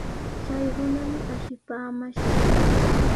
Chay runami ashipaamashqa.